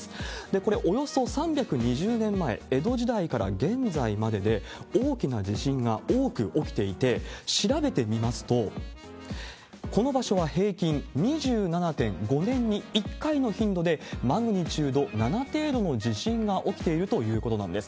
これ、およそ３２０年前、江戸時代から現在までで大きな地震が多く起きていて、調べてみますと、この場所は平均２７．５年に１回の頻度でマグニチュード７程度の地震が起きているということなんです。